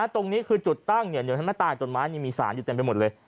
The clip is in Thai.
ตรงนี้คือจุดตั้งเดี๋ยวเห็นไหมใต้ต้นไม้มีสารอยู่เต็มไปหมดเลย